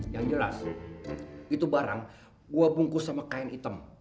yang jelas itu barang gue bungkus sama kain hitam